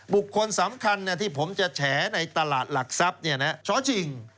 บุคคลสำคัญที่ผมจะแฉในตลาดหลักทรัพย์ช้อชิง